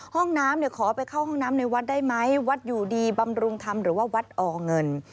ห้องน้ำขอไปเข้าห้องน้ำในวัดได้ไหมวัดอยู่ดีบำรุงธรรมหรือว่าวัดอเงิน